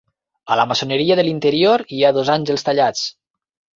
A la maçoneria de l'interior hi ha dos àngels tallats.